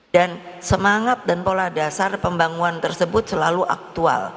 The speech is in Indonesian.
dan semangat dan pola dasar pembangunan tersebut selalu aktual